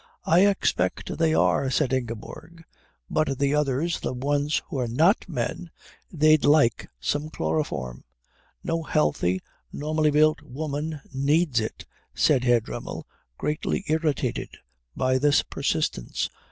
"I expect they are," said Ingeborg. "But the others the ones who're not men they'd like some chloroform." "No healthy, normally built woman needs it," said Herr Dremmel, greatly irritated by this persistence.